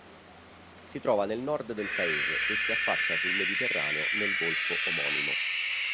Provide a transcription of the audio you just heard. Si trova nel nord del paese e si affaccia sul Mediterraneo nel golfo omonimo.